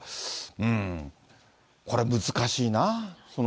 うーん、これ難しいなぁ。